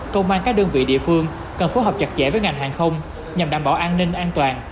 công an các đơn vị địa phương cần phối hợp chặt chẽ với ngành hàng không nhằm đảm bảo an ninh an toàn